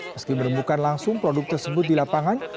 meski menemukan langsung produk tersebut di lapangan